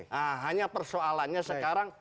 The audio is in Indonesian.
karena persoalannya sekarang